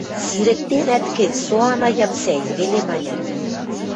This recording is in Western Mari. – «Сирӹктенӓт гӹнь, со ана ям сӓй», – веле маньы.